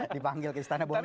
dipanggil ke istana boneka tadi